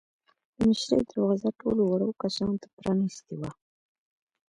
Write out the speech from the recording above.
د مشرۍ دروازه ټولو وړو کسانو ته پرانیستې وه.